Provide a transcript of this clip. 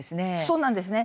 そうなんですね。